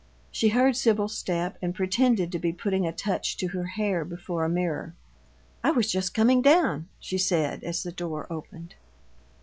She heard Sibyl's step, and pretended to be putting a touch to her hair before a mirror. "I was just coming down," she said, as the door opened.